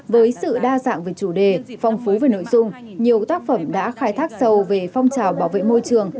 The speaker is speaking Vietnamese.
với sự đa dạng về chủ đề phong phú về nội dung nhiều tác phẩm đã khai thác sâu về phong trào bảo vệ môi trường